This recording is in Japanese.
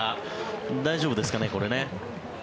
大丈夫ですかね、これね。